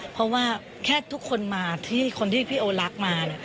เพราะว่าแค่ทุกคนมาที่คนที่พี่โอรักมา